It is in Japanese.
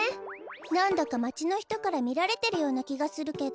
なんだかまちのひとからみられてるようなきがするけど。